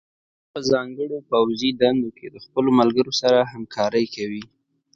تورن په ځانګړو پوځي دندو کې د خپلو ملګرو سره همکارۍ کوي.